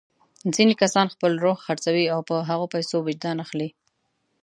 ځینې کسان خپل روح خرڅوي او په هغو پیسو وجدان اخلي.